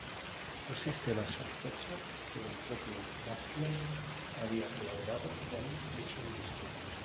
Existe la sospecha que el propio Bastian había colaborado con dicho Ministerio.